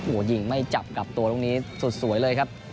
โอ้โหยิงไม่จับกับตัวลูกนี้สุดสวยเลยครับ